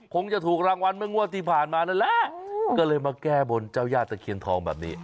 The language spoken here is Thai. คงจะถูกรางวัลเมื่องวดที่ผ่านมานั่นแหละก็เลยมาแก้บนเจ้าย่าตะเคียนทองแบบนี้